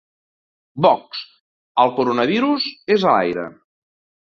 Vox: El coronavirus és a l’aire.